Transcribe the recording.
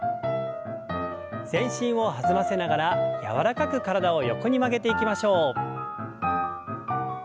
全身を弾ませながら柔らかく体を横に曲げていきましょう。